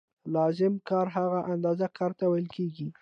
لازم کار هغه اندازه کار ته ویل کېږي